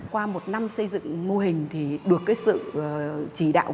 qua một năm xây dựng mô hình được sự chỉ đạo